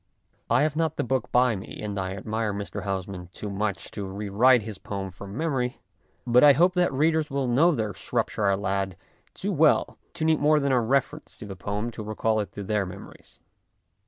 I have not the book by me, and I admire Mr. Housman too much to re write his poem from memory, but I hope that readers will know their " Shropshire Lad " too well to need more than a reference to the poem to recall it to their memories.